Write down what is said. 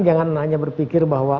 jangan hanya berpikir bahwa